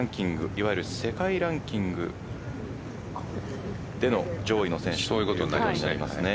いわゆる世界ランキングでの上位の選手ということになりますね。